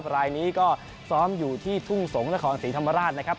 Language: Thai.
รายนี้ก็ซ้อมอยู่ที่ทุ่งสงศ์นครศรีธรรมราชนะครับ